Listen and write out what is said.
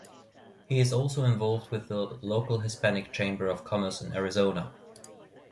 He is also involved with the local Hispanic Chamber of Commerce in Arizona.